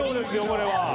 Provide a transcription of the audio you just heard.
これは。